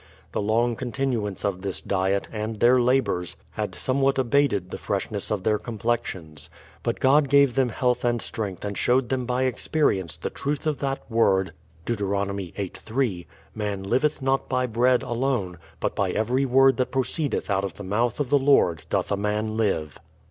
The long contin uance of this diet, and their labours, had somewhat abated the freshness of their complexions. But God gave them health and strength and showed them by experience the truth of that word (Deut. viii, 3) : "Alan liveth not by bread alone, but by every word that proceedeth out of the mouth of the Lord doth a man live."